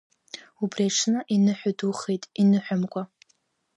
Убри аҽны иныҳәа духеит, иныҳәамкәа…